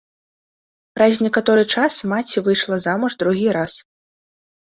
Праз некаторы час маці выйшла замуж другі раз.